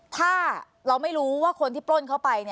ถ้าเราไม่รู้ว่าคนที่ปล้นเข้าไป